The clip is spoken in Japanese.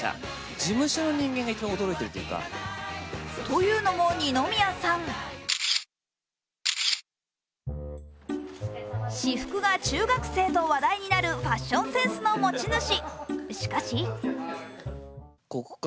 というのも、二宮さん私服が中学生と話題になるファッションセンスの持ち主。